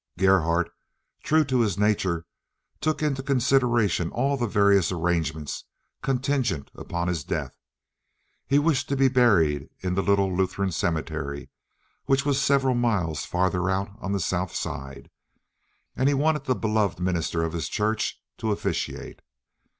Gerhardt, true to his nature, took into consideration all the various arrangements contingent upon his death. He wished to be buried in the little Lutheran cemetery, which was several miles farther out on the South Side, and he wanted the beloved minister of his church to officiate.